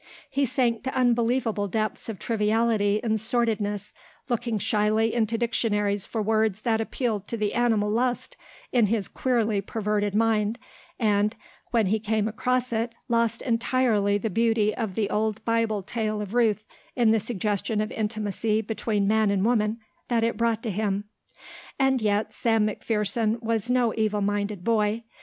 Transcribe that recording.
He sank to unbelievable depths of triviality in sordidness, looking shyly into dictionaries for words that appealed to the animal lust in his queerly perverted mind and, when he came across it, lost entirely the beauty of the old Bible tale of Ruth in the suggestion of intimacy between man and woman that it brought to him. And yet Sam McPherson was no evil minded boy.